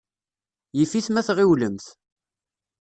Yif-it ma tɣiwlemt.